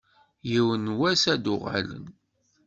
Yiwen n wass ad d-uɣalen.